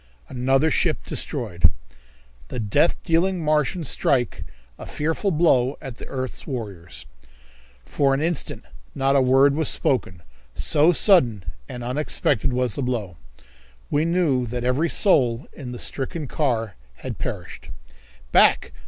Another Ship Destroyed. The Death Dealing Martians Strike a Fearful Blow at the Earth's Warriors. For an instant not a word was spoken, so sudden and unexpected was the blow. We knew that every soul in the stricken car had perished. "Back!